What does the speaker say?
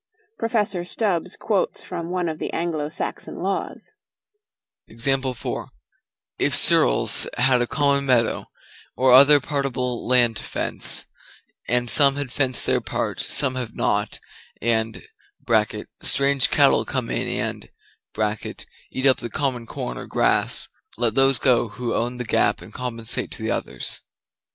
Prof. Stubbs quotes from one of the Anglo Saxon laws: "If ceorls have a common meadow, or other partible land to fence, and some have fenced their part, some have not, and [strange cattle come in and] eat up the common corn or grass, let those go who own the gap and compensate to the others."